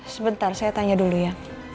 sebentar saya tanya dulu ya